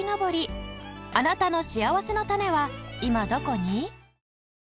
あなたのしあわせのたねは今どこに？